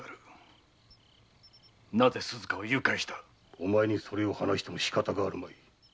お前にそれを話してもしかたあるまい。